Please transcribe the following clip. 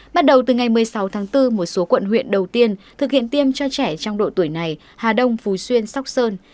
bắt đầu từ ngày một mươi sáu tháng bốn một số quận huyện đầu tiên thực hiện tiêm cho trẻ trong độ tuổi này hà đông phú xuyên sóc sơn